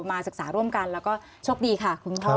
มาศึกษาร่วมกันแล้วก็โชคดีค่ะคุณพ่อ